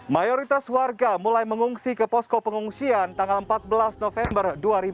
mayoritas warga mulai mengungsi ke posko pengungsian tanggal empat belas november dua ribu dua puluh